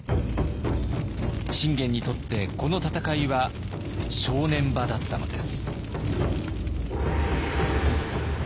信玄にとってこの戦いは正念場だったのです。